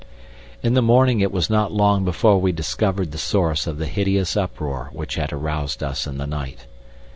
In the morning it was not long before we discovered the source of the hideous uproar which had aroused us in the night.